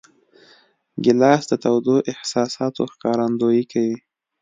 ګیلاس د تودو احساساتو ښکارندویي کوي.